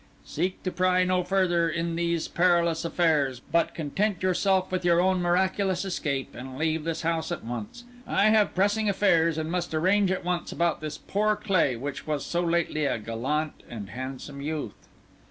Seek to pry no further in these perilous affairs, but content yourself with your own miraculous escape, and leave this house at once. I have pressing affairs, and must arrange at once about this poor clay, which was so lately a gallant and handsome youth."